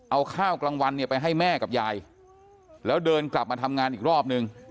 เอาข้าวกลางวันเนี่ยไปให้แม่กับยายแล้วเดินกลับมาทำงานอีกรอบนึง